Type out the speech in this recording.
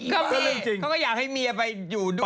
ก็อยากให้เมียไปอยู่ด้วย